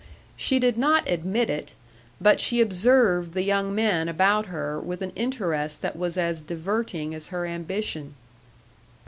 She did not admit it, but she observed the young men about her with an interest that was as diverting as her ambition.